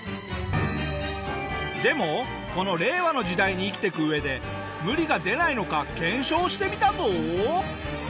でもこの令和の時代に生きていく上で無理が出ないのか検証してみたぞ。